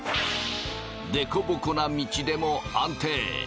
凸凹な道でも安定。